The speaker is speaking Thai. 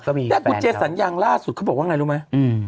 กุฏเจสัญญาณล่าที่สุดคือบอกว่าไงรู้มั้ย